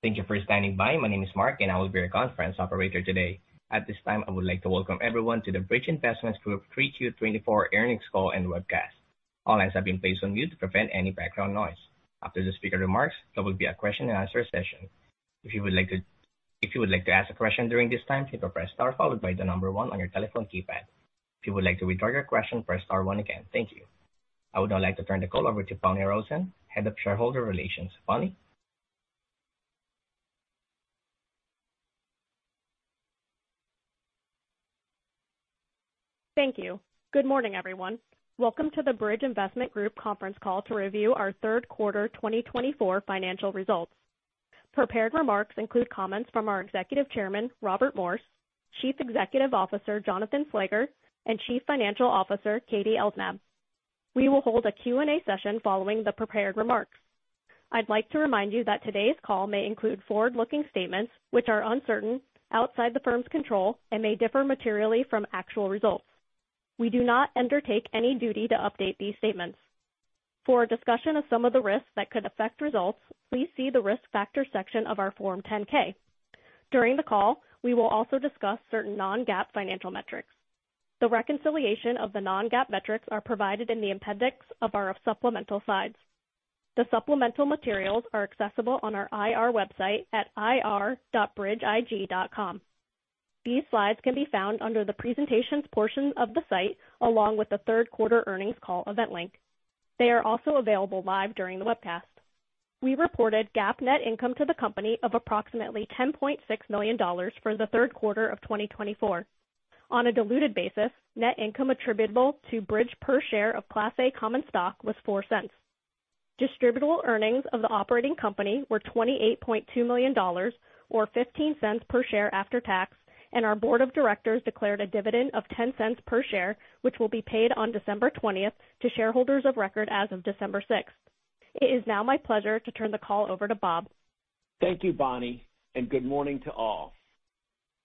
Thank you for standing by. My name is Mark, and I will be your conference operator today. At this time, I would like to welcome everyone to the Bridge Investment Group 3Q 24 earnings call and webcast. All lines have been placed on mute to prevent any background noise. After the speaker remarks, there will be a question-and-answer session. If you would like to ask a question during this time, hit the press star followed by the number one on your telephone keypad. If you would like to withdraw your question, press star one again. Thank you. I would now like to turn the call over to Bonni Rosen, Head of Shareholder Relations. Bonni? Thank you. Good morning, everyone. Welcome to the Bridge Investment Group conference call to review our third quarter 2024 financial results. Prepared remarks include comments from our Executive Chairman, Robert Morse, Chief Executive Officer, Jonathan Slager, and Chief Financial Officer, Katie Elsnab. We will hold a Q&A session following the prepared remarks. I'd like to remind you that today's call may include forward-looking statements which are uncertain, outside the firm's control, and may differ materially from actual results. We do not undertake any duty to update these statements. For a discussion of some of the risks that could affect results, please see the Risk Factors section of our Form 10-K. During the call, we will also discuss certain non-GAAP financial metrics. The reconciliation of the non-GAAP metrics is provided in the appendix of our supplemental slides. The supplemental materials are accessible on our IR website at ir.bridgeig.com. These slides can be found under the presentations portion of the site, along with the third quarter earnings call event link. They are also available live during the webcast. We reported GAAP net income to the company of approximately $10.6 million for the third quarter of 2024. On a diluted basis, net income attributable to Bridge per share of Class A common stock was $0.04. Distributable earnings of the operating company were $28.2 million or $0.15 per share after tax, and our board of directors declared a dividend of $0.10 per share, which will be paid on December 20th to shareholders of record as of December 6th. It is now my pleasure to turn the call over to Bob. Thank you, Bonni, and good morning to all.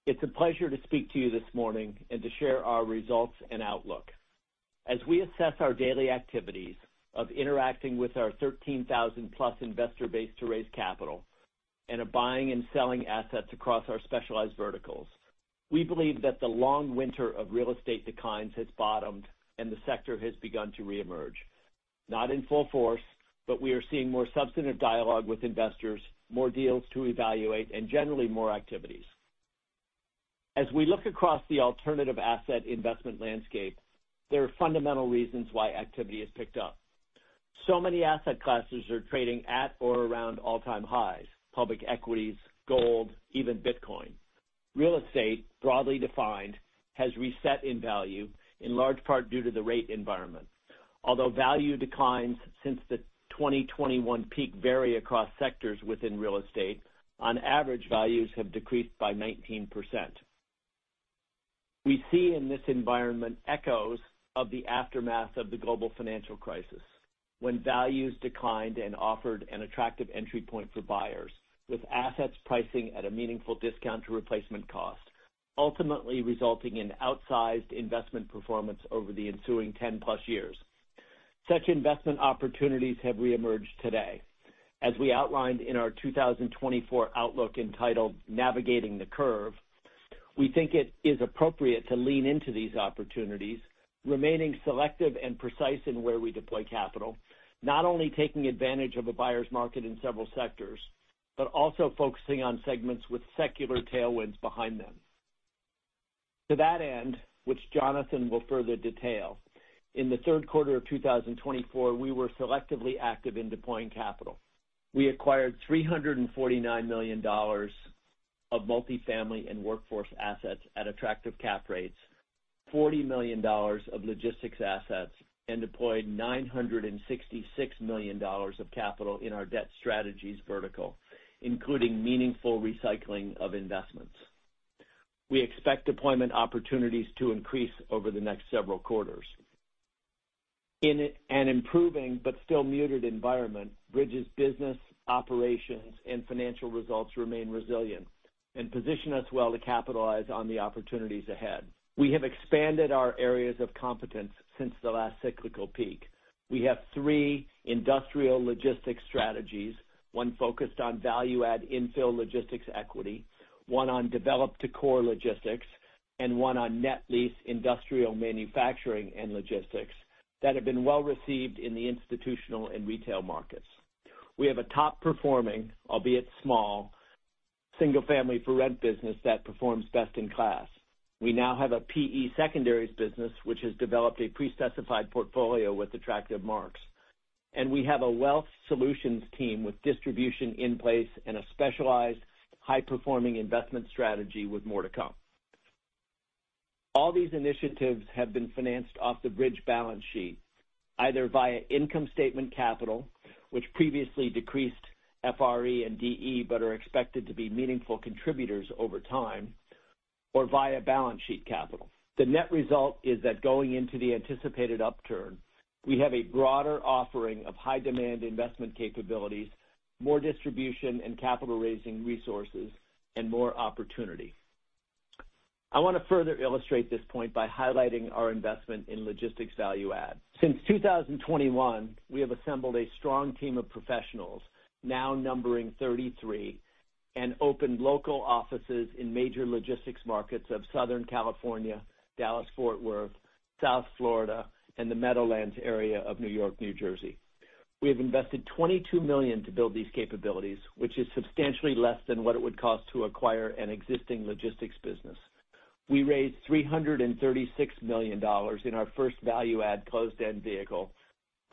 It's a pleasure to speak to you this morning and to share our results and outlook. As we assess our daily activities of interacting with our 13,000-plus investor base to raise capital and of buying and selling assets across our specialized verticals, we believe that the long winter of real estate declines has bottomed and the sector has begun to reemerge. Not in full force, but we are seeing more substantive dialogue with investors, more deals to evaluate, and generally more activities. As we look across the alternative asset investment landscape, there are fundamental reasons why activity has picked up. So many asset classes are trading at or around all-time highs: public equities, gold, even Bitcoin. Real estate, broadly defined, has reset in value, in large part due to the rate environment. Although value declines since the 2021 peak vary across sectors within real estate, on average, values have decreased by 19%. We see in this environment echoes of the aftermath of the global financial crisis, when values declined and offered an attractive entry point for buyers, with assets pricing at a meaningful discount to replacement cost, ultimately resulting in outsized investment performance over the ensuing 10-plus years. Such investment opportunities have reemerged today. As we outlined in our 2024 outlook entitled "Navigating the Curve," we think it is appropriate to lean into these opportunities, remaining selective and precise in where we deploy capital, not only taking advantage of a buyer's market in several sectors, but also focusing on segments with secular tailwinds behind them. To that end, which Jonathan will further detail, in the third quarter of 2024, we were selectively active in deploying capital. We acquired $349 million of multifamily and workforce assets at attractive cap rates, $40 million of logistics assets, and deployed $966 million of capital in our debt strategies vertical, including meaningful recycling of investments. We expect deployment opportunities to increase over the next several quarters. In an improving but still muted environment, Bridge's business operations and financial results remain resilient and position us well to capitalize on the opportunities ahead. We have expanded our areas of competence since the last cyclical peak. We have three industrial logistics strategies: one focused on value-add infill logistics equity, one on develop-to-core logistics, and one on net lease industrial manufacturing and logistics that have been well received in the institutional and retail markets. We have a top-performing, albeit small, single-family for rent business that performs best in class. We now have a PE secondaries business which has developed a pre-specified portfolio with attractive marks. We have a wealth solutions team with distribution in place and a specialized high-performing investment strategy with more to come. All these initiatives have been financed off the Bridge balance sheet, either via income statement capital, which previously decreased FRE and DE but are expected to be meaningful contributors over time, or via balance sheet capital. The net result is that going into the anticipated upturn, we have a broader offering of high-demand investment capabilities, more distribution and capital-raising resources, and more opportunity. I want to further illustrate this point by highlighting our investment in logistics value-add. Since 2021, we have assembled a strong team of professionals, now numbering 33, and opened local offices in major logistics markets of Southern California, Dallas-Fort Worth, South Florida, and the Meadowlands area of New York, New Jersey. We have invested $22 million to build these capabilities, which is substantially less than what it would cost to acquire an existing logistics business. We raised $336 million in our first value-add closed-end vehicle,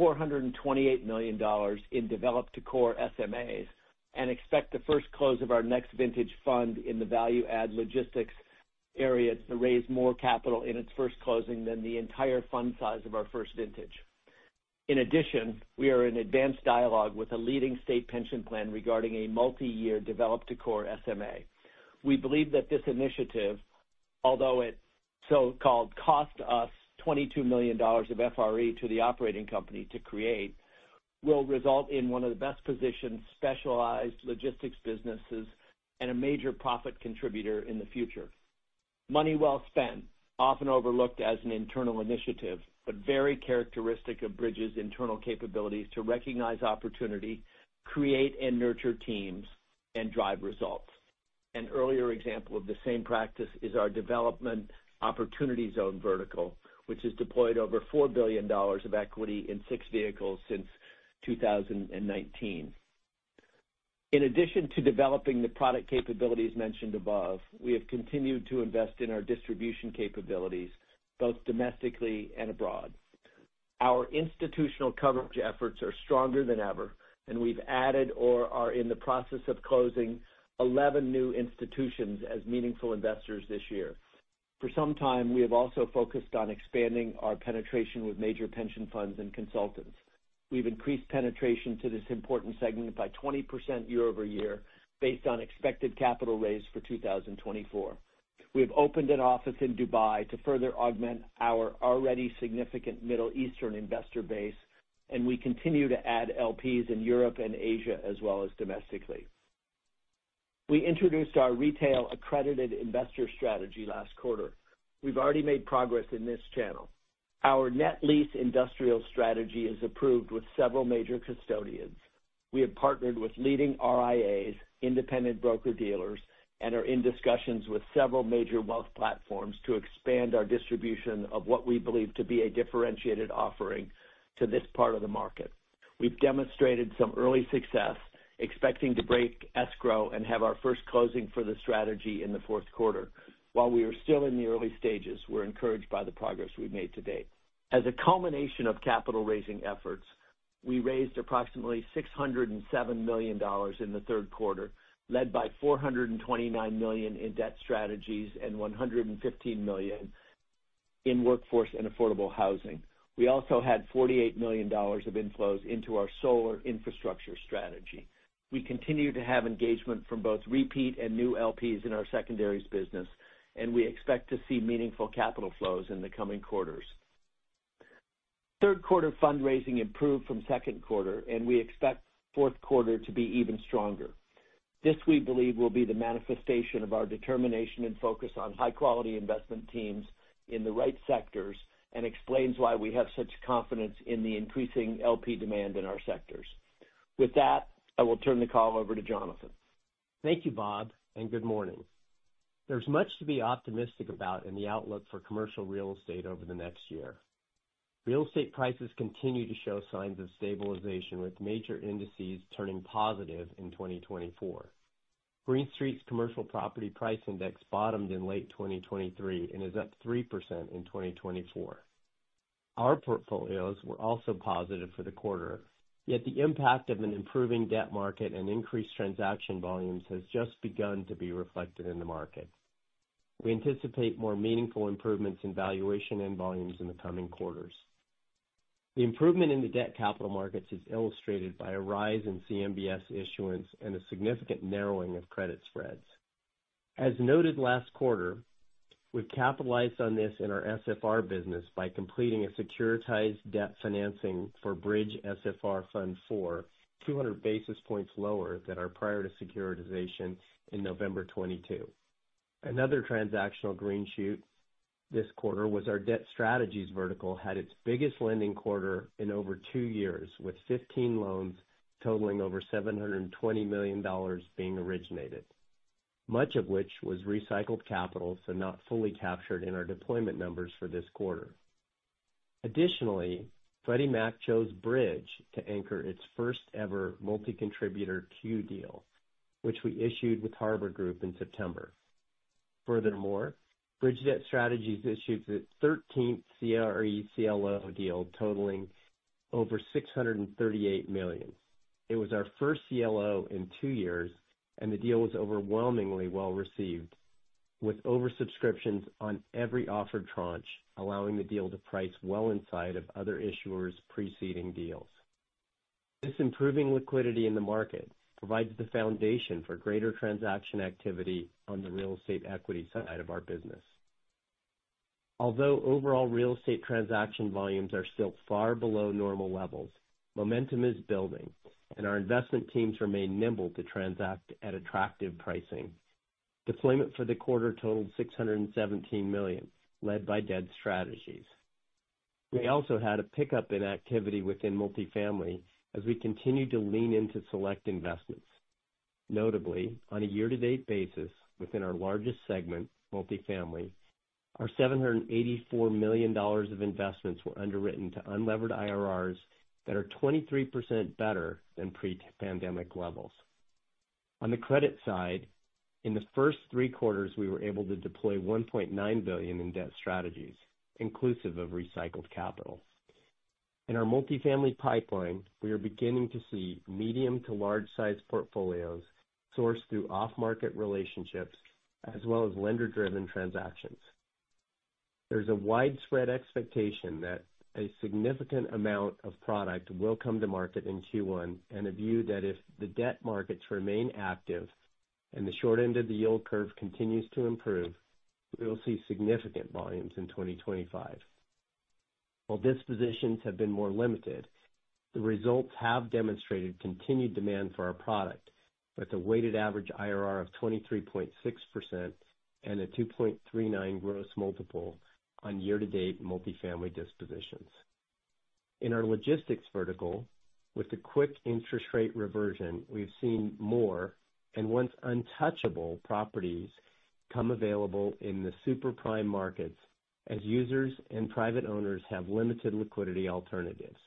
$428 million in develop-to-core SMAs, and expect the first close of our next vintage fund in the value-add logistics area to raise more capital in its first closing than the entire fund size of our first vintage. In addition, we are in advanced dialogue with a leading state pension plan regarding a multi-year develop-to-core SMA. We believe that this initiative, although it so-called cost us $22 million of FRE to the operating company to create, will result in one of the best-positioned specialized logistics businesses and a major profit contributor in the future. Money well spent, often overlooked as an internal initiative, but very characteristic of Bridge's internal capabilities to recognize opportunity, create and nurture teams, and drive results. An earlier example of the same practice is our development Opportunity Zone vertical, which has deployed over $4 billion of equity in six vehicles since 2019. In addition to developing the product capabilities mentioned above, we have continued to invest in our distribution capabilities, both domestically and abroad. Our institutional coverage efforts are stronger than ever, and we've added or are in the process of closing 11 new institutions as meaningful investors this year. For some time, we have also focused on expanding our penetration with major pension funds and consultants. We've increased penetration to this important segment by 20% year-over-year based on expected capital raise for 2024. We have opened an office in Dubai to further augment our already significant Middle Eastern investor base, and we continue to add LPs in Europe and Asia as well as domestically. We introduced our retail accredited investor strategy last quarter. We've already made progress in this channel. Our net lease industrial strategy is approved with several major custodians. We have partnered with leading RIAs, independent broker-dealers, and are in discussions with several major wealth platforms to expand our distribution of what we believe to be a differentiated offering to this part of the market. We've demonstrated some early success, expecting to break escrow and have our first closing for the strategy in the fourth quarter. While we are still in the early stages, we're encouraged by the progress we've made to date. As a culmination of capital-raising efforts, we raised approximately $607 million in the third quarter, led by $429 million in debt strategies and $115 million in workforce and affordable housing. We also had $48 million of inflows into our solar infrastructure strategy. We continue to have engagement from both repeat and new LPs in our secondaries business, and we expect to see meaningful capital flows in the coming quarters. Third quarter fundraising improved from second quarter, and we expect fourth quarter to be even stronger. This we believe will be the manifestation of our determination and focus on high-quality investment teams in the right sectors and explains why we have such confidence in the increasing LP demand in our sectors. With that, I will turn the call over to Jonathan. Thank you, Bob, and good morning. There's much to be optimistic about in the outlook for commercial real estate over the next year. Real estate prices continue to show signs of stabilization, with major indices turning positive in 2024. Green Street's Commercial Property Price Index bottomed in late 2023 and is up 3% in 2024. Our portfolios were also positive for the quarter, yet the impact of an improving debt market and increased transaction volumes has just begun to be reflected in the market. We anticipate more meaningful improvements in valuation and volumes in the coming quarters. The improvement in the debt capital markets is illustrated by a rise in CMBS issuance and a significant narrowing of credit spreads. As noted last quarter, we've capitalized on this in our SFR business by completing a securitized debt financing for Bridge SFR Fund IV, 200 basis points lower than our prior-to-securitization in November 2022. Another transactional green shoot this quarter was our debt strategies vertical had its biggest lending quarter in over two years, with 15 loans totaling over $720 million being originated, much of which was recycled capital so not fully captured in our deployment numbers for this quarter. Additionally, Freddie Mac chose Bridge to anchor its first-ever multi-contributor Q-Deal, which we issued with Harbor Group in September. Furthermore, Bridge Debt Strategies issued its 13th CRE CLO deal totaling over $638 million. It was our first CLO in two years, and the deal was overwhelmingly well received, with oversubscriptions on every offered tranche, allowing the deal to price well inside of other issuers' preceding deals. This improving liquidity in the market provides the foundation for greater transaction activity on the real estate equity side of our business. Although overall real estate transaction volumes are still far below normal levels, momentum is building, and our investment teams remain nimble to transact at attractive pricing. Deployment for the quarter totaled $617 million, led by debt strategies. We also had a pickup in activity within multifamily as we continued to lean into select investments. Notably, on a year-to-date basis, within our largest segment, multifamily, our $784 million of investments were underwritten to unlevered IRRs that are 23% better than pre-pandemic levels. On the credit side, in the first three quarters, we were able to deploy $1.9 billion in debt strategies, inclusive of recycled capital. In our multifamily pipeline, we are beginning to see medium to large-sized portfolios sourced through off-market relationships as well as lender-driven transactions. There's a widespread expectation that a significant amount of product will come to market in Q1 and a view that if the debt markets remain active and the short end of the yield curve continues to improve, we will see significant volumes in 2025. While dispositions have been more limited, the results have demonstrated continued demand for our product with a weighted average IRR of 23.6% and a 2.39 gross multiple on year-to-date multifamily dispositions. In our logistics vertical, with the quick interest rate reversion, we've seen more and once untouchable properties come available in the super prime markets as users and private owners have limited liquidity alternatives.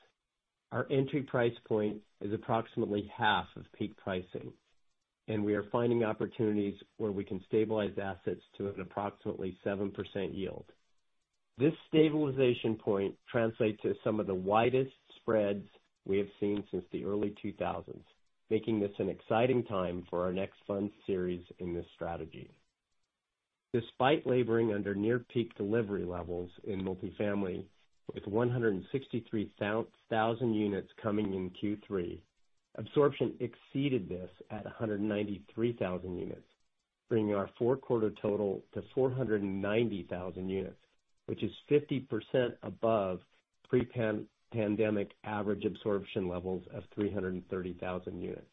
Our entry price point is approximately half of peak pricing, and we are finding opportunities where we can stabilize assets to an approximately 7% yield. This stabilization point translates to some of the widest spreads we have seen since the early 2000s, making this an exciting time for our next fund series in this strategy. Despite laboring under near-peak delivery levels in multifamily, with 163,000 units coming in Q3, absorption exceeded this at 193,000 units, bringing our four-quarter total to 490,000 units, which is 50% above pre-pandemic average absorption levels of 330,000 units.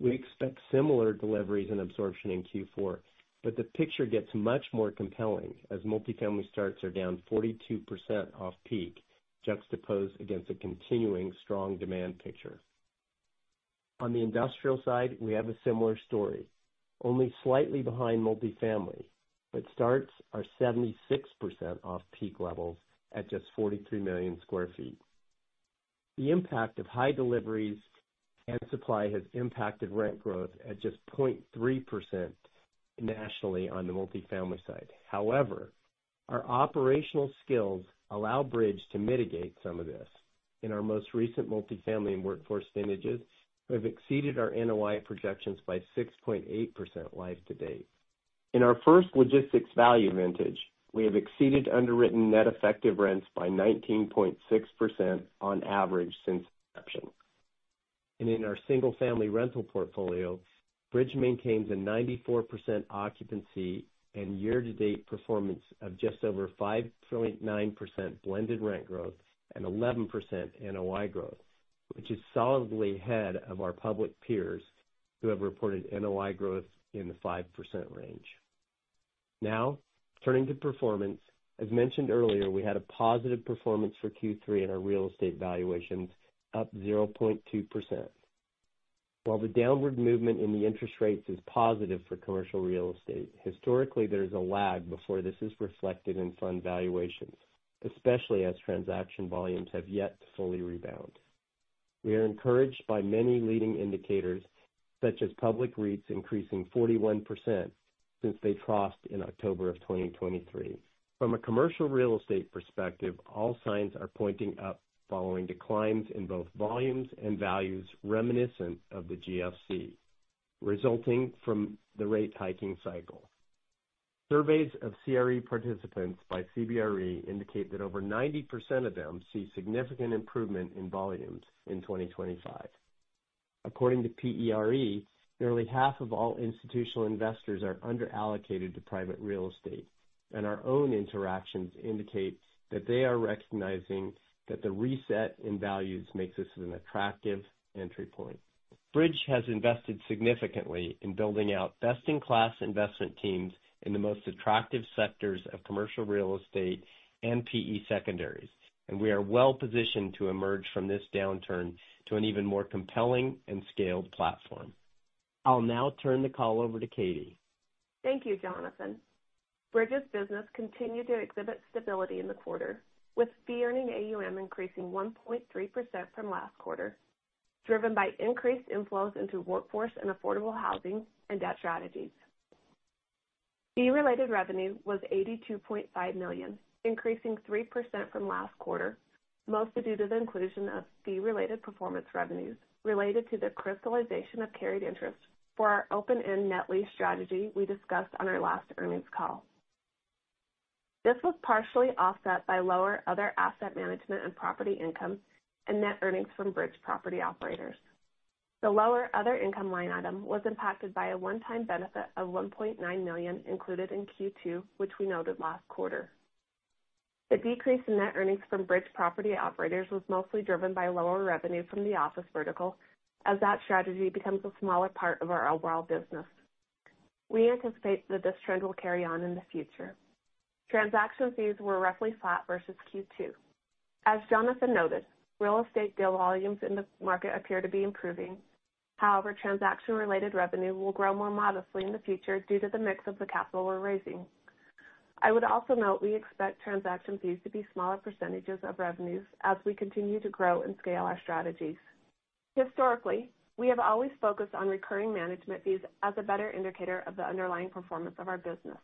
We expect similar deliveries and absorption in Q4, but the picture gets much more compelling as multifamily starts are down 42% off peak, juxtaposed against a continuing strong demand picture. On the industrial side, we have a similar story, only slightly behind multifamily, but starts are 76% off peak levels at just 43 million sq ft. The impact of high deliveries and supply has impacted rent growth at just 0.3% nationally on the multifamily side. However, our operational skills allow Bridge to mitigate some of this. In our most recent multifamily and workforce vintages, we have exceeded our NOI projections by 6.8% life to date. In our first logistics value vintage, we have exceeded underwritten net effective rents by 19.6% on average since inception, and in our single-family rental portfolio, Bridge maintains a 94% occupancy and year-to-date performance of just over 5.9% blended rent growth and 11% NOI growth, which is solidly ahead of our public peers who have reported NOI growth in the 5% range. Now, turning to performance, as mentioned earlier, we had a positive performance for Q3 in our real estate valuations, up 0.2%. While the downward movement in the interest rates is positive for commercial real estate, historically, there is a lag before this is reflected in fund valuations, especially as transaction volumes have yet to fully rebound. We are encouraged by many leading indicators, such as public REITs increasing 41% since they troughed in October of 2023. From a commercial real estate perspective, all signs are pointing up following declines in both volumes and values reminiscent of the GFC, resulting from the rate hiking cycle. Surveys of CRE participants by CBRE indicate that over 90% of them see significant improvement in volumes in 2025. According to PERE, nearly half of all institutional investors are underallocated to private real estate, and our own interactions indicate that they are recognizing that the reset in values makes this an attractive entry point. Bridge has invested significantly in building out best-in-class investment teams in the most attractive sectors of commercial real estate and PE secondaries, and we are well positioned to emerge from this downturn to an even more compelling and scaled platform. I'll now turn the call over to Katie. Thank you, Jonathan. Bridge's business continued to exhibit stability in the quarter, with fee-earning AUM increasing 1.3% from last quarter, driven by increased inflows into workforce and affordable housing and debt strategies. Fee-related revenue was $82.5 million, increasing 3% from last quarter, mostly due to the inclusion of fee-related performance revenues related to the crystallization of carried interest for our open-end net lease strategy we discussed on our last earnings call. This was partially offset by lower other asset management and property income and net earnings from Bridge Property Operators. The lower other income line item was impacted by a one-time benefit of $1.9 million included in Q2, which we noted last quarter. The decrease in net earnings from Bridge Property Operators was mostly driven by lower revenue from the office vertical, as that strategy becomes a smaller part of our overall business. We anticipate that this trend will carry on in the future. Transaction fees were roughly flat versus Q2. As Jonathan noted, real estate deal volumes in the market appear to be improving. However, transaction-related revenue will grow more modestly in the future due to the mix of the capital we're raising. I would also note we expect transaction fees to be smaller percentages of revenues as we continue to grow and scale our strategies. Historically, we have always focused on recurring management fees as a better indicator of the underlying performance of our business.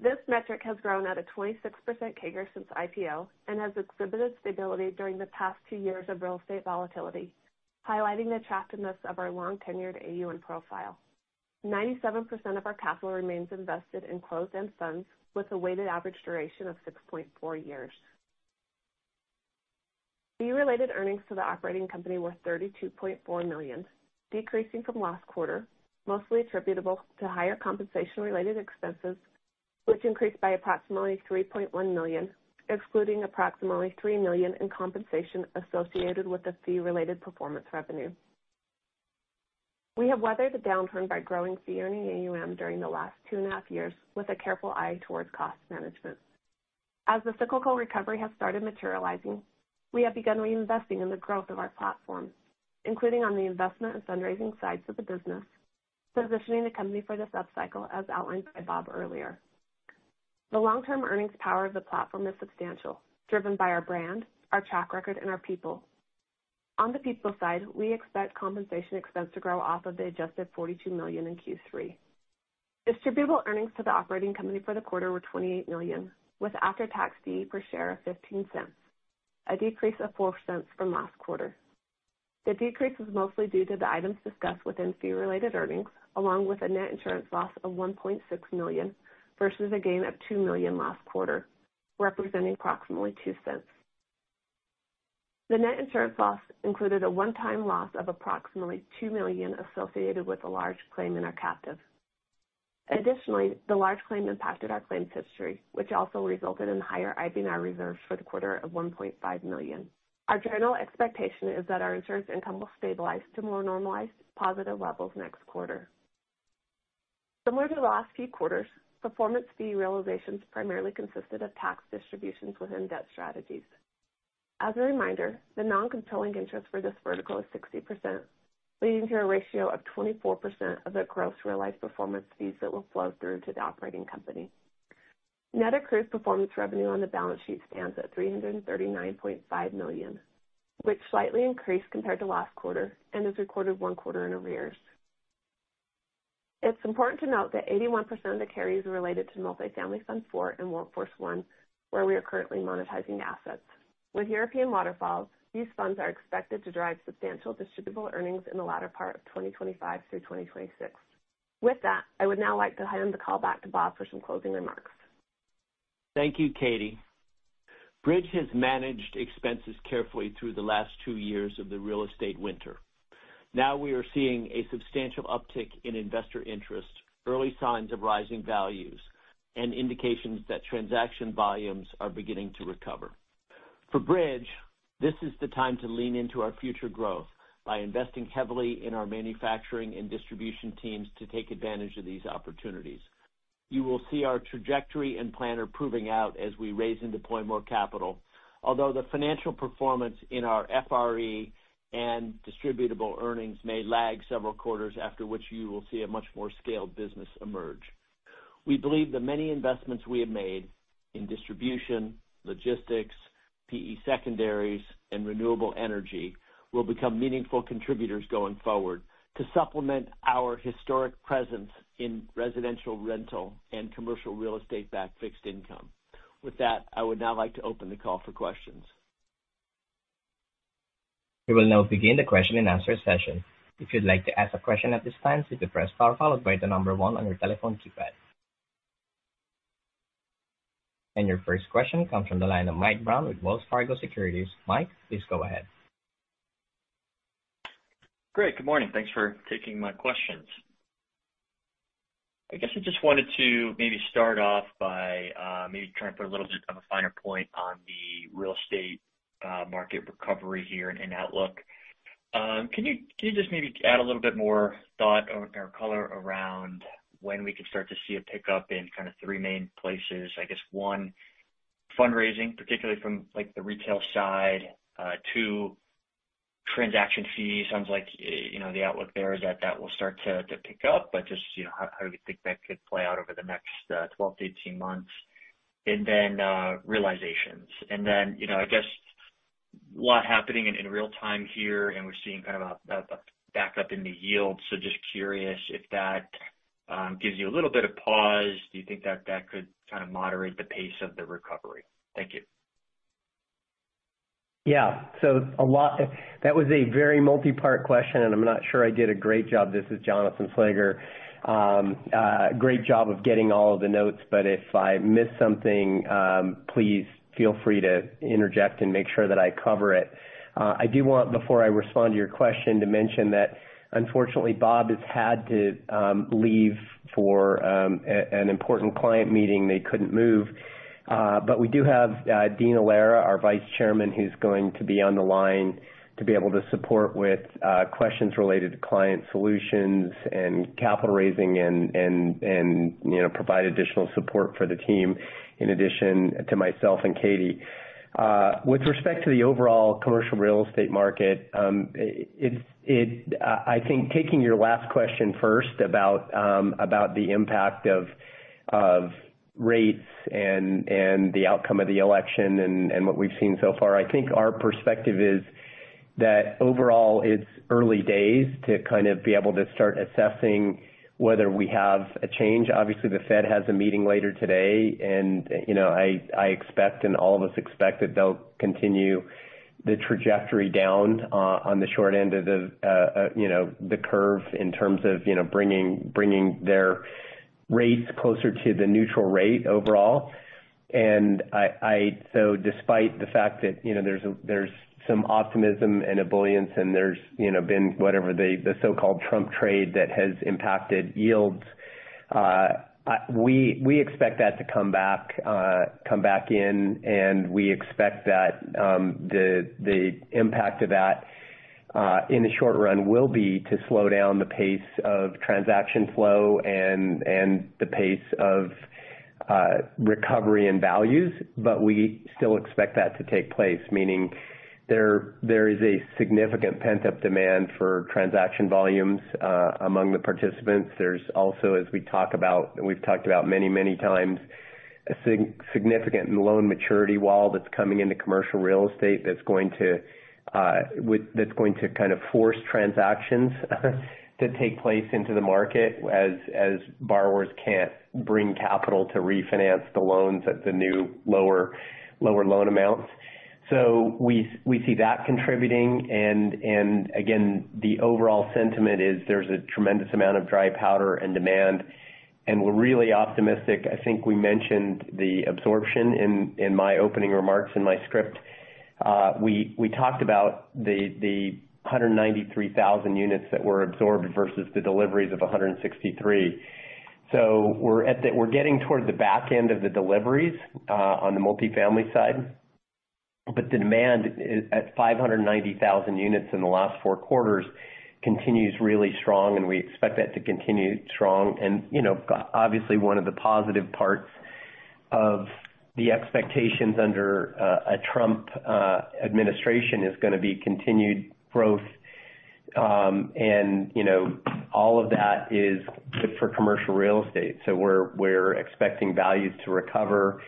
This metric has grown at a 26% CAGR since IPO and has exhibited stability during the past two years of real estate volatility, highlighting the attractiveness of our long-tenured AUM profile. 97% of our capital remains invested in closed-end funds with a weighted average duration of 6.4 years. Fee-related earnings to the operating company were $32.4 million, decreasing from last quarter, mostly attributable to higher compensation-related expenses, which increased by approximately $3.1 million, excluding approximately $3 million in compensation associated with the fee-related performance revenue. We have weathered the downturn by growing fee-earning AUM during the last two and a half years with a careful eye towards cost management. As the cyclical recovery has started materializing, we have begun reinvesting in the growth of our platform, including on the investment and fundraising sides of the business, positioning the company for this upcycle as outlined by Bob earlier. The long-term earnings power of the platform is substantial, driven by our brand, our track record, and our people. On the people side, we expect compensation expense to grow off of the adjusted $42 million in Q3. Distributable earnings to the operating company for the quarter were $28 million, with after-tax fee per share of $0.15, a decrease of $0.04 from last quarter. The decrease was mostly due to the items discussed within fee-related earnings, along with a net insurance loss of $1.6 million versus a gain of $2 million last quarter, representing approximately $0.02. The net insurance loss included a one-time loss of approximately $2 million associated with a large claim in our captive. Additionally, the large claim impacted our claims history, which also resulted in higher IBNR reserves for the quarter of $1.5 million. Our general expectation is that our insurance income will stabilize to more normalized positive levels next quarter. Similar to the last few quarters, performance fee realizations primarily consisted of tax distributions within debt strategies. As a reminder, the non-controlling interest for this vertical is 60%, leading to a ratio of 24% of the gross realized performance fees that will flow through to the operating company. Net accrued performance revenue on the balance sheet stands at $339.5 million, which slightly increased compared to last quarter and is recorded one quarter in arrears. It's important to note that 81% of the carries are related to Multifamily Fund IV and Workforce I, where we are currently monetizing assets. With European waterfalls, these funds are expected to drive substantial distributable earnings in the latter part of 2025 through 2026. With that, I would now like to hand the call back to Bob for some closing remarks. Thank you, Katie. Bridge has managed expenses carefully through the last two years of the real estate winter. Now we are seeing a substantial uptick in investor interest, early signs of rising values, and indications that transaction volumes are beginning to recover. For Bridge, this is the time to lean into our future growth by investing heavily in our manufacturing and distribution teams to take advantage of these opportunities. You will see our trajectory and planner proving out as we raise and deploy more capital, although the financial performance in our FRE and distributable earnings may lag several quarters, after which you will see a much more scaled business emerge. We believe the many investments we have made in distribution, logistics, PE secondaries, and renewable energy will become meaningful contributors going forward to supplement our historic presence in residential rental and commercial real estate backed fixed income. With that, I would now like to open the call for questions. We will now begin the question and answer session. If you'd like to ask a question at this time, please press star followed by the number one on your telephone keypad. And your first question comes from the line of Mike Brown with Wells Fargo Securities. Mike, please go ahead. Great. Good morning. Thanks for taking my questions. I guess I just wanted to maybe start off by maybe trying to put a little bit of a finer point on the real estate market recovery here in Outlook. Can you just maybe add a little bit more thought or color around when we can start to see a pickup in kind of three main places? I guess one, fundraising, particularly from the retail side. Two, transaction fees. Sounds like the outlook there is that that will start to pick up, but just how do we think that could play out over the next 12-18 months? And then realizations. And then I guess a lot happening in real time here, and we're seeing kind of a backup in the yield. So just curious if that gives you a little bit of pause? Do you think that that could kind of moderate the pace of the recovery? Thank you. Yeah. So that was a very multi-part question, and I'm not sure I did a great job. This is Jonathan Slager. Great job of getting all of the notes, but if I miss something, please feel free to interject and make sure that I cover it. I do want, before I respond to your question, to mention that, unfortunately, Bob has had to leave for an important client meeting. They couldn't move. But we do have Dean Allara, our Vice Chairman, who's going to be on the line to be able to support with questions related to client solutions and capital raising and provide additional support for the team, in addition to myself and Katie. With respect to the overall commercial real estate market, I think taking your last question first about the impact of rates and the outcome of the election and what we've seen so far, I think our perspective is that overall, it's early days to kind of be able to start assessing whether we have a change. Obviously, the Fed has a meeting later today, and I expect, and all of us expect, that they'll continue the trajectory down on the short end of the curve in terms of bringing their rates closer to the neutral rate overall. Despite the fact that there's some optimism and a buoyancy, and there's been whatever the so-called Trump trade that has impacted yields, we expect that to come back in, and we expect that the impact of that in the short run will be to slow down the pace of transaction flow and the pace of recovery and values. We still expect that to take place, meaning there is a significant pent-up demand for transaction volumes among the participants. There's also, as we talk about, and we've talked about many, many times, a significant loan maturity wall that's coming into commercial real estate that's going to kind of force transactions to take place into the market as borrowers can't bring capital to refinance the loans at the new lower loan amounts. We see that contributing. And again, the overall sentiment is there's a tremendous amount of dry powder and demand, and we're really optimistic. I think we mentioned the absorption in my opening remarks in my script. We talked about the 193,000 units that were absorbed versus the deliveries of 163,000. So we're getting toward the back end of the deliveries on the multifamily side, but the demand at 590,000 units in the last four quarters continues really strong, and we expect that to continue strong. And obviously, one of the positive parts of the expectations under a Trump administration is going to be continued growth, and all of that is good for commercial real estate. So we're expecting values to recover.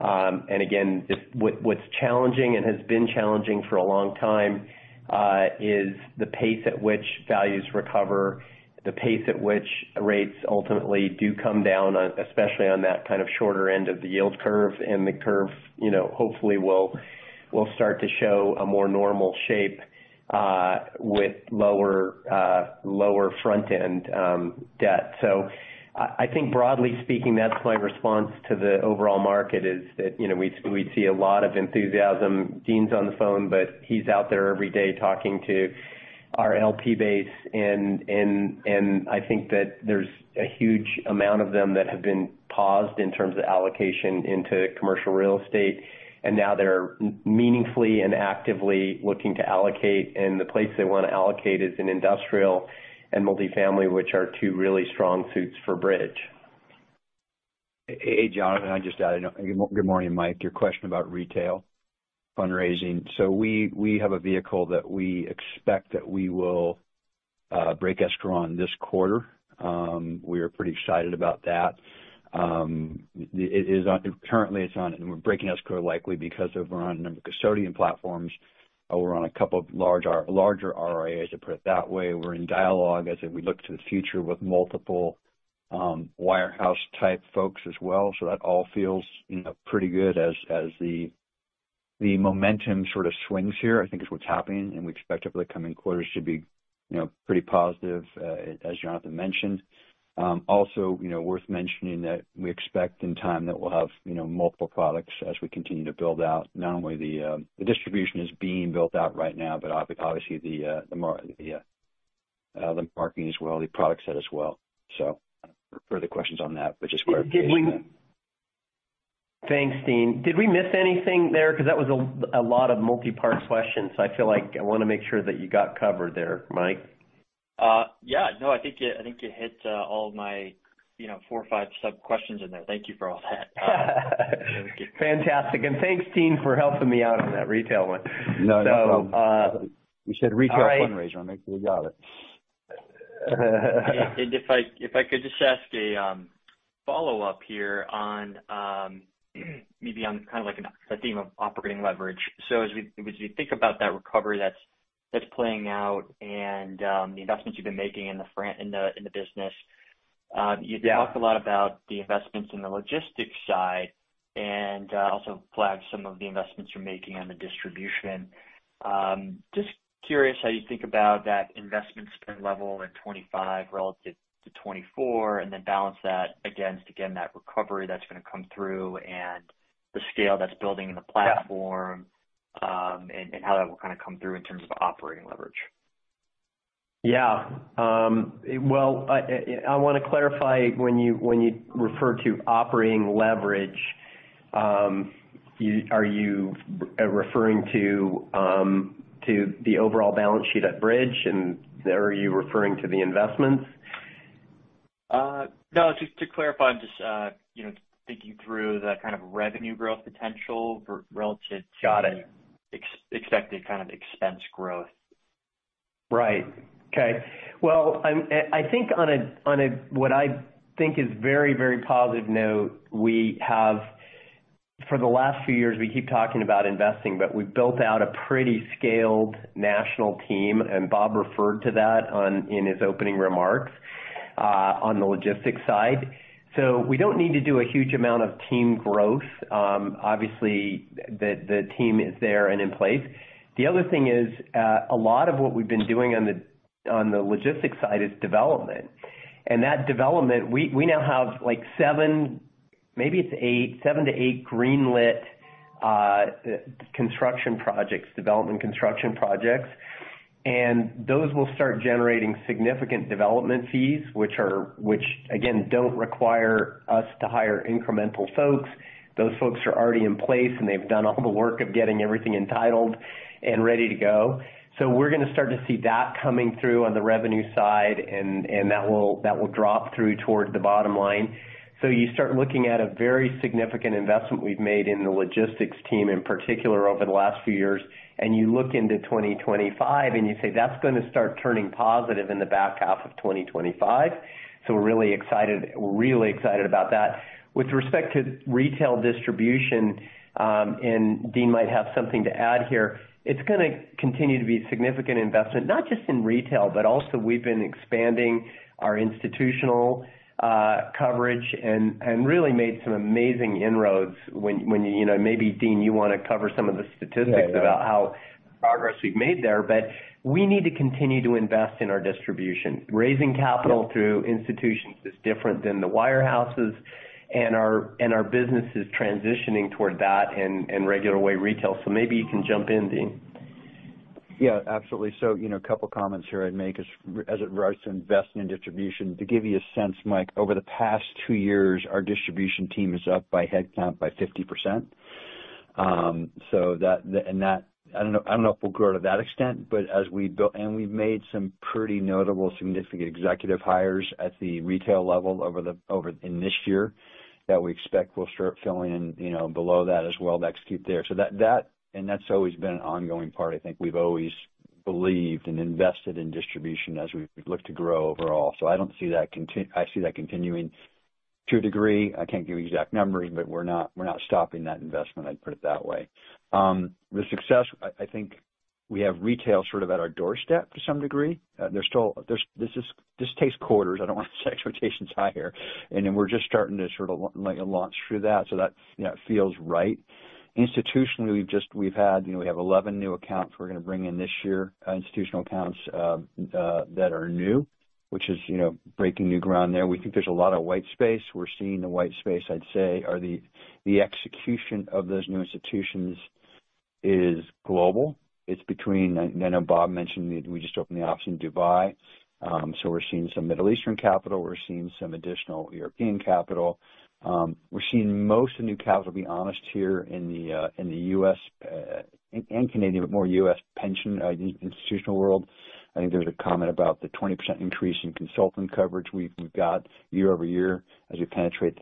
And again, what's challenging and has been challenging for a long time is the pace at which values recover, the pace at which rates ultimately do come down, especially on that kind of shorter end of the yield curve, and the curve hopefully will start to show a more normal shape with lower front-end debt. So I think, broadly speaking, that's my response to the overall market, is that we'd see a lot of enthusiasm. Dean's on the phone, but he's out there every day talking to our LP base, and I think that there's a huge amount of them that have been paused in terms of allocation into commercial real estate, and now they're meaningfully and actively looking to allocate, and the place they want to allocate is in industrial and multifamily, which are two really strong suits for Bridge. Hey, Jonathan. I just added, good morning, Mike. Your question about retail fundraising. So we have a vehicle that we expect that we will break escrow on this quarter. We are pretty excited about that. Currently, it's on breaking escrow likely because we're on a number of custodian platforms. We're on a couple of larger RIAs, to put it that way. We're in dialogue as we look to the future with multiple wirehouse-type folks as well. So that all feels pretty good as the momentum sort of swings here, I think, is what's happening, and we expect over the coming quarters to be pretty positive, as Jonathan mentioned. Also, worth mentioning that we expect in time that we'll have multiple products as we continue to build out. Not only the distribution is being built out right now, but obviously the marketing as well, the product set as well. So further questions on that, but just quite a few. Thanks, Dean. Did we miss anything there? Because that was a lot of multi-part questions, so I feel like I want to make sure that you got covered there, Mike. Yeah. No, I think you hit all of my four or five sub-questions in there. Thank you for all that. Fantastic and thanks, Dean, for helping me out on that retail one. No, no problem. We said retail fundraiser. I think we got it. If I could just ask a follow-up here on maybe on kind of like the theme of operating leverage. So as we think about that recovery that's playing out and the investments you've been making in the business, you talked a lot about the investments in the logistics side and also flagged some of the investments you're making on the distribution. Just curious how you think about that investment spend level at 2025 relative to 2024, and then balance that against, again, that recovery that's going to come through and the scale that's building in the platform and how that will kind of come through in terms of operating leverage. Yeah. Well, I want to clarify when you refer to operating leverage, are you referring to the overall balance sheet at Bridge, and are you referring to the investments? No, just to clarify, I'm just thinking through the kind of revenue growth potential relative to expected kind of expense growth. Right. Okay. Well, I think on what I think is very, very positive note, we have, for the last few years, we keep talking about investing, but we've built out a pretty scaled national team, and Bob referred to that in his opening remarks on the logistics side, so we don't need to do a huge amount of team growth. Obviously, the team is there and in place. The other thing is a lot of what we've been doing on the logistics side is development, and that development, we now have seven, maybe it's eight, seven to eight greenlit construction projects, development construction projects. And those will start generating significant development fees, which, again, don't require us to hire incremental folks. Those folks are already in place, and they've done all the work of getting everything entitled and ready to go. So we're going to start to see that coming through on the revenue side, and that will drop through toward the bottom line. So you start looking at a very significant investment we've made in the logistics team in particular over the last few years, and you look into 2025, and you say, "That's going to start turning positive in the back half of 2025." So we're really excited about that. With respect to retail distribution, and Dean might have something to add here, it's going to continue to be a significant investment, not just in retail, but also we've been expanding our institutional coverage and really made some amazing inroads. Maybe, Dean, you want to cover some of the statistics about the progress we've made there, but we need to continue to invest in our distribution. Raising capital through institutions is different than the wirehouses, and our business is transitioning toward that and regular way retail. So maybe you can jump in, Dean. Yeah, absolutely. So a couple of comments here I'd make as it relates to investing in distribution. To give you a sense, Mike, over the past two years, our distribution team is up by headcount by 50%. And I don't know if we'll grow to that extent, but as we've built and we've made some pretty notable significant executive hires at the retail level in this year that we expect will start filling in below that as well to execute there. And that's always been an ongoing part. I think we've always believed and invested in distribution as we look to grow overall. So I don't see that. I see that continuing to a degree. I can't give you exact numbers, but we're not stopping that investment, I'd put it that way. The success, I think we have retail sort of at our doorstep to some degree. This takes quarters. I don't want to say expectations higher. And then we're just starting to sort of launch through that so that feels right. Institutionally, we have 11 new accounts we're going to bring in this year, institutional accounts that are new, which is breaking new ground there. We think there's a lot of white space. We're seeing the white space, I'd say, or the execution of those new institutions is global. It's between. I know Bob mentioned we just opened the office in Dubai. So we're seeing some Middle Eastern capital. We're seeing some additional European capital. We're seeing most of the new capital, to be honest, here in the U.S. and Canadian, but more U.S. pension institutional world. I think there was a comment about the 20% increase in consultant coverage we've got year-over-year as we penetrate,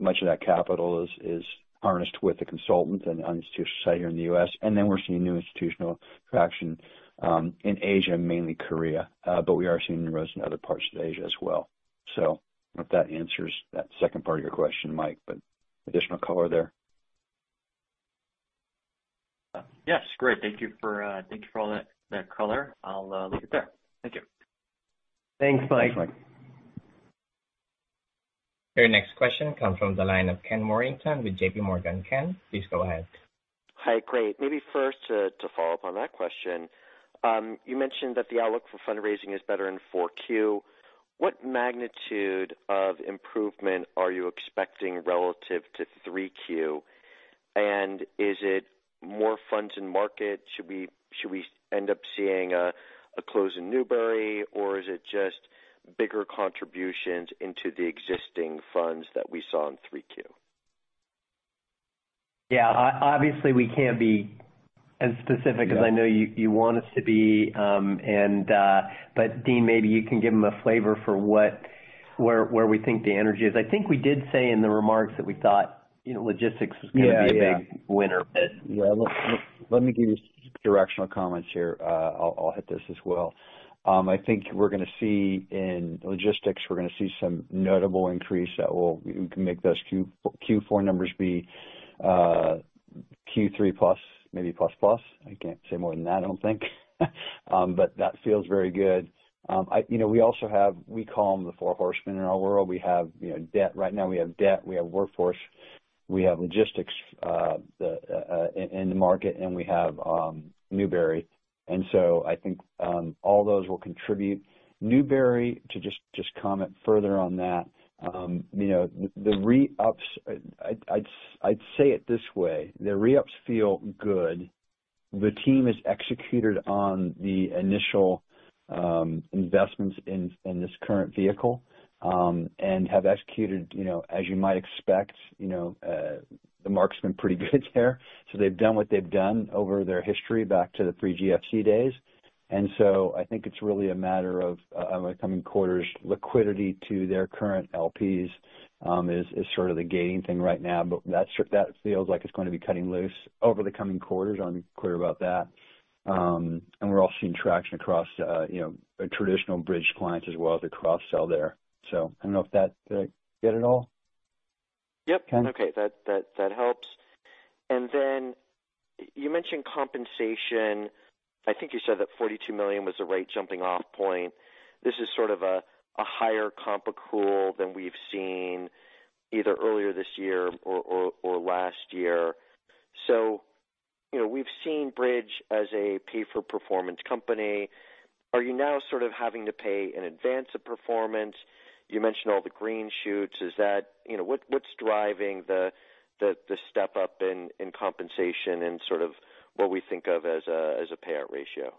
much of that capital is harnessed with the consultants and the institutional side here in the U.S., and then we're seeing new institutional traction in Asia, mainly Korea, but we are seeing inroads in other parts of Asia as well, so I hope that answers that second part of your question, Mike, but additional color there. Yes. Great. Thank you for all that color. I'll leave it there. Thank you. Thanks, Mike. Thanks, Mike. Very next question comes from the line of Ken Worthington with J.P. Morgan, Ken. Please go ahead. Hi, Craig. Maybe first to follow up on that question. You mentioned that the outlook for fundraising is better in 4Q. What magnitude of improvement are you expecting relative to 3Q? And is it more funds in market? Should we end up seeing a close in Newbury, or is it just bigger contributions into the existing funds that we saw in 3Q? Yeah. Obviously, we can't be as specific as I know you want us to be, but Dean, maybe you can give them a flavor for where we think the energy is. I think we did say in the remarks that we thought logistics was going to be a big winner. Yeah. Let me give you some directional comments here. I'll hit this as well. I think we're going to see in logistics, we're going to see some notable increase that will make those Q4 numbers be Q3 plus, maybe plus-plus. I can't say more than that, I don't think. But that feels very good. We also have what we call the four horsemen in our world. We have debt right now. We have workforce. We have logistics in the market, and we have Newbury. And so I think all those will contribute. Newbury, to just comment further on that, the re-ups, I'd say it this way. The re-ups feel good. The team has executed on the initial investments in this current vehicle, as you might expect. The marks have been pretty good there. So they've done what they've done over their history back to the pre-GFC days. And so I think it's really a matter of, over the coming quarters, liquidity to their current LPs is sort of the gating thing right now, but that feels like it's going to be cutting loose over the coming quarters. I'm clear about that. And we're all seeing traction across traditional Bridge clients as well as the cross-sell there. So I don't know if that did I get it all? Yep. Okay. That helps. And then you mentioned compensation. I think you said that $42 million was the right jumping-off point. This is sort of a higher comp pool than we've seen either earlier this year or last year. So we've seen Bridge as a pay-for-performance company. Are you now sort of having to pay in advance of performance? You mentioned all the green shoots. What's driving the step up in compensation and sort of what we think of as a payout ratio?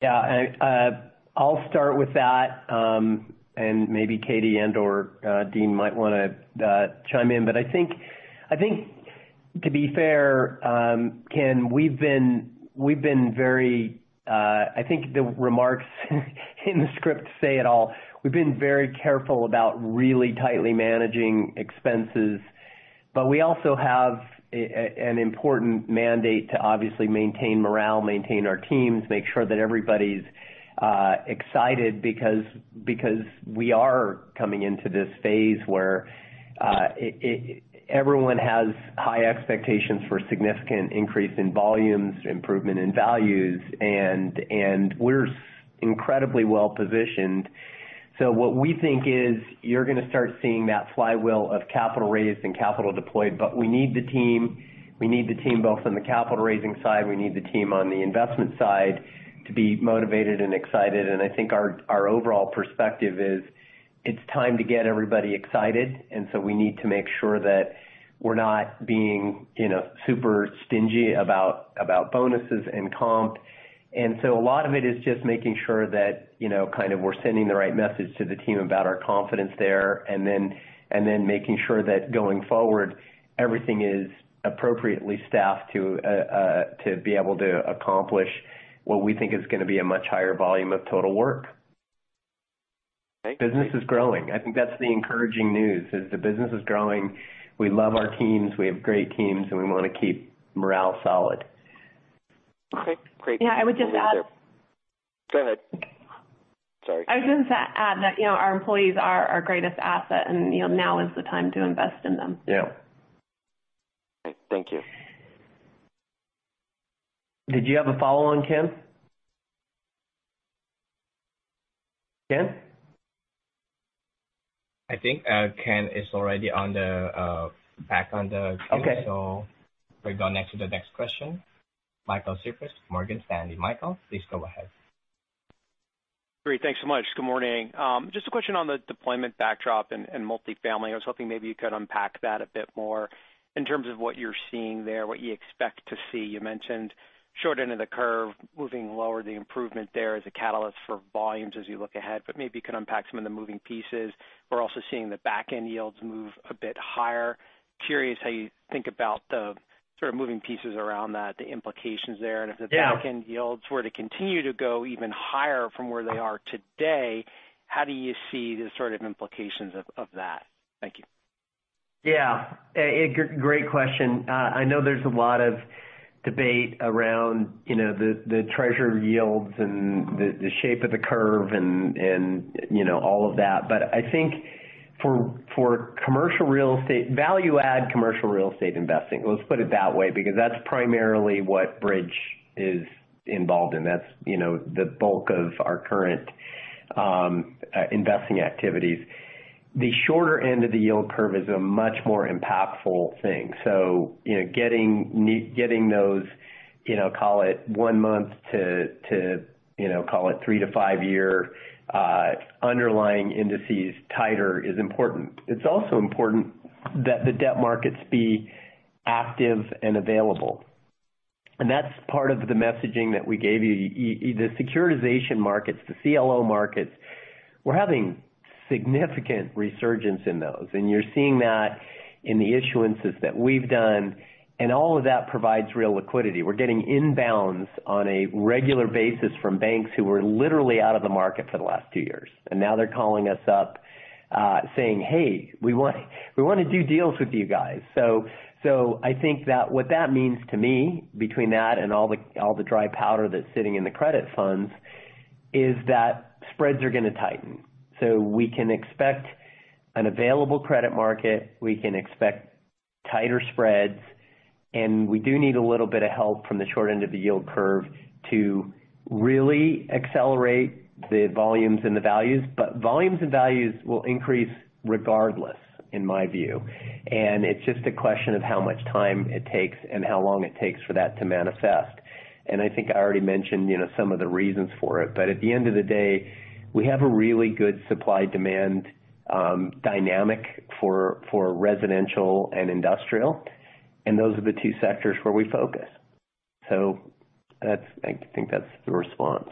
Yeah. I'll start with that, and maybe Katie and/or Dean might want to chime in. But I think, to be fair, Ken, I think the remarks in the script say it all. We've been very careful about really tightly managing expenses, but we also have an important mandate to obviously maintain morale, maintain our teams, make sure that everybody's excited because we are coming into this phase where everyone has high expectations for significant increase in volumes, improvement in values, and we're incredibly well-positioned. So what we think is you're going to start seeing that flywheel of capital raised and capital deployed, but we need the team. We need the team both on the capital raising side. We need the team on the investment side to be motivated and excited. And I think our overall perspective is it's time to get everybody excited. We need to make sure that we're not being super stingy about bonuses and comp. A lot of it is just making sure that kind of we're sending the right message to the team about our confidence there, and then making sure that going forward, everything is appropriately staffed to be able to accomplish what we think is going to be a much higher volume of total work. Business is growing. I think that's the encouraging news is the business is growing. We love our teams. We have great teams, and we want to keep morale solid. Okay. Great. Yeah. I would just add. Go ahead. Sorry. I was going to add that our employees are our greatest asset, and now is the time to invest in them. Yeah. Okay. Thank you. Did you have a follow-on, Ken? Ken? I think Ken is already back on the call, so we're going to go next to the next question. Michael Cyprys, Morgan Stanley. Michael, please go ahead. Great. Thanks so much. Good morning. Just a question on the deployment backdrop and multifamily. I was hoping maybe you could unpack that a bit more in terms of what you're seeing there, what you expect to see. You mentioned short end of the curve moving lower. The improvement there is a catalyst for volumes as you look ahead, but maybe you could unpack some of the moving pieces. We're also seeing the back-end yields move a bit higher. Curious how you think about the sort of moving pieces around that, the implications there. And if the back-end yields were to continue to go even higher from where they are today, how do you see the sort of implications of that? Thank you. Yeah. Great question. I know there's a lot of debate around the Treasury yields and the shape of the curve and all of that, but I think for commercial real estate, value-add commercial real estate investing, let's put it that way because that's primarily what Bridge is involved in. That's the bulk of our current investing activities. The shorter end of the yield curve is a much more impactful thing. So getting those, call it one month to call it three- to five-year underlying indices tighter is important. It's also important that the debt markets be active and available. And that's part of the messaging that we gave you. The securitization markets, the CLO markets, we're having significant resurgence in those. And you're seeing that in the issuances that we've done. And all of that provides real liquidity. We're getting inbounds on a regular basis from banks who were literally out of the market for the last two years. And now they're calling us up saying, "Hey, we want to do deals with you guys." So I think that what that means to me between that and all the dry powder that's sitting in the credit funds is that spreads are going to tighten. So we can expect an available credit market. We can expect tighter spreads. And we do need a little bit of help from the short end of the yield curve to really accelerate the volumes and the values. But volumes and values will increase regardless, in my view. And it's just a question of how much time it takes and how long it takes for that to manifest. And I think I already mentioned some of the reasons for it. But at the end of the day, we have a really good supply-demand dynamic for residential and industrial. And those are the two sectors where we focus. So I think that's the response.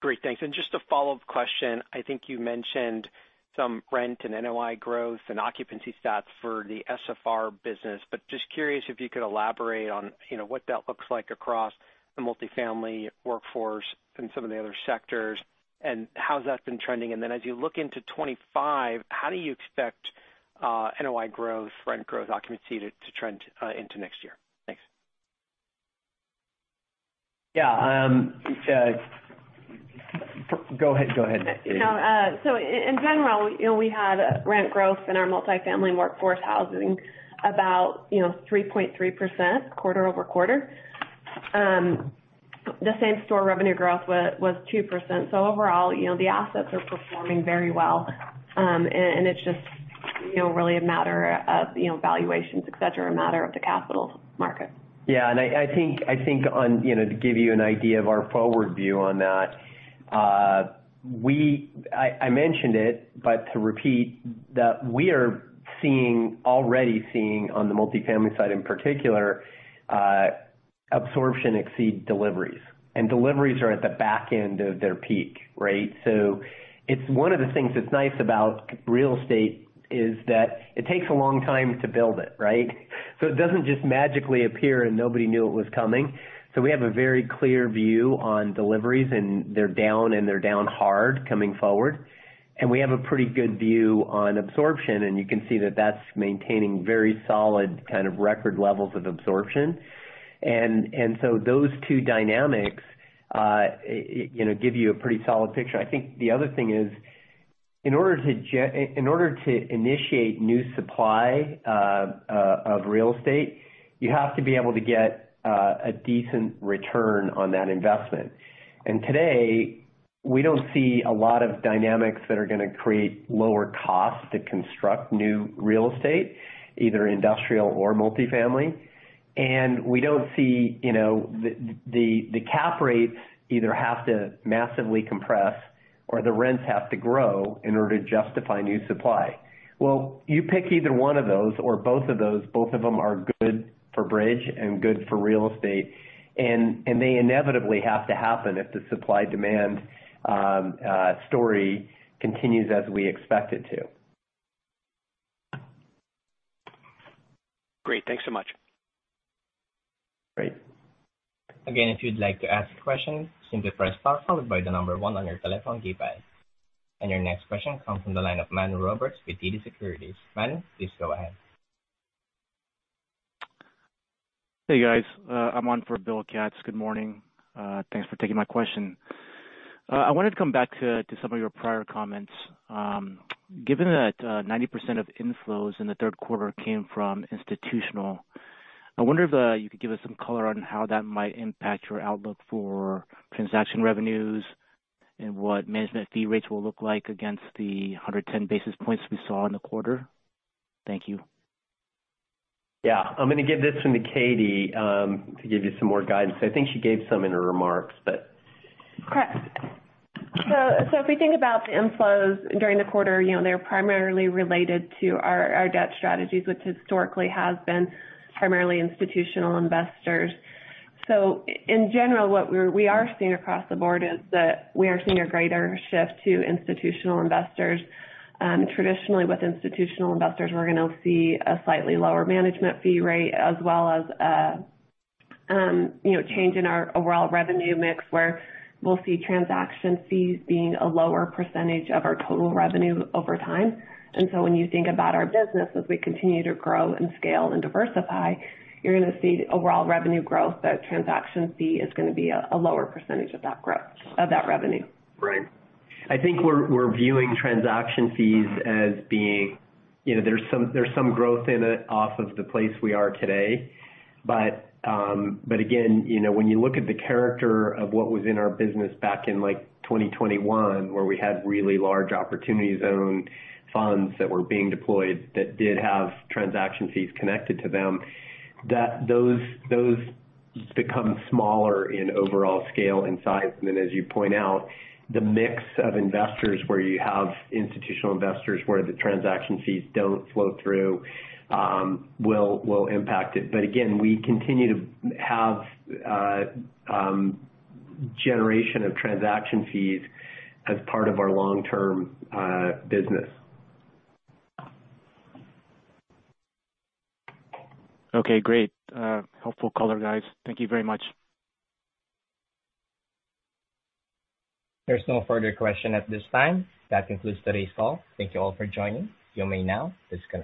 Great. Thanks. And just a follow-up question. I think you mentioned some rent and NOI growth and occupancy stats for the SFR business, but just curious if you could elaborate on what that looks like across the multifamily workforce and some of the other sectors and how's that been trending. And then as you look into 2025, how do you expect NOI growth, rent growth, occupancy to trend into next year? Thanks. Yeah. Go ahead. So in general, we had rent growth in our multifamily workforce housing about 3.3% quarter-over-quarter. The same store revenue growth was 2%. So overall, the assets are performing very well. And it's just really a matter of valuations, etc., a matter of the capital market. Yeah, and I think to give you an idea of our forward view on that, I mentioned it, but to repeat, that we are already seeing on the multifamily side in particular, absorption exceed deliveries, and deliveries are at the back end of their peak, right, so one of the things that's nice about real estate is that it takes a long time to build it, right, so it doesn't just magically appear and nobody knew it was coming, so we have a very clear view on deliveries, and they're down, and they're down hard coming forward, and we have a pretty good view on absorption, and you can see that that's maintaining very solid kind of record levels of absorption, and so those two dynamics give you a pretty solid picture. I think the other thing is in order to initiate new supply of real estate, you have to be able to get a decent return on that investment. And today, we don't see a lot of dynamics that are going to create lower costs to construct new real estate, either industrial or multifamily. And we don't see the cap rates either have to massively compress or the rents have to grow in order to justify new supply. Well, you pick either one of those or both of those. Both of them are good for Bridge and good for real estate. And they inevitably have to happen if the supply-demand story continues as we expect it to. Great. Thanks so much. Great. Again, if you'd like to ask a question, simply press star followed by the number one on your telephone keypad. And your next question comes from the line of Manu Roberts with TD Securities. Manu, please go ahead. Hey, guys. I'm on for Bill Katz. Good morning. Thanks for taking my question. I wanted to come back to some of your prior comments. Given that 90% of inflows in the third quarter came from institutional, I wonder if you could give us some color on how that might impact your outlook for transaction revenues and what management fee rates will look like against the 110 basis points we saw in the quarter. Thank you. Yeah. I'm going to give this one to Katie to give you some more guidance. I think she gave some in her remarks, but. Correct. So if we think about the inflows during the quarter, they're primarily related to our debt strategies, which historically has been primarily institutional investors. So in general, what we are seeing across the board is that we are seeing a greater shift to institutional investors. Traditionally, with institutional investors, we're going to see a slightly lower management fee rate as well as a change in our overall revenue mix where we'll see transaction fees being a lower percentage of our total revenue over time. And so when you think about our business as we continue to grow and scale and diversify, you're going to see overall revenue growth, but transaction fee is going to be a lower percentage of that growth of that revenue. Right. I think we're viewing transaction fees as being, there's some growth in it off of the place we are today, but again, when you look at the character of what was in our business back in 2021, where we had really large Opportunity Zone funds that were being deployed that did have transaction fees connected to them, those become smaller in overall scale and size, and then as you point out, the mix of investors where you have institutional investors where the transaction fees don't flow through will impact it, but again, we continue to have generation of transaction fees as part of our long-term business. Okay. Great. Helpful color, guys. Thank you very much. There's no further question at this time. That concludes today's call. Thank you all for joining. You may now disconnect.